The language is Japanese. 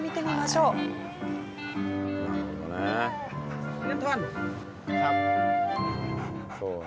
なるほどね。